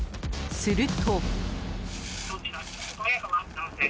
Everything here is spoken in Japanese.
すると。